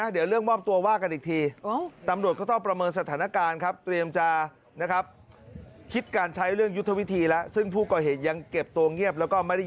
เดี๋ยวขอสรุปก็ยอมนะ